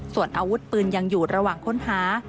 ส่วนอาวุธปืนยังอยู่ระหว่างค้นหา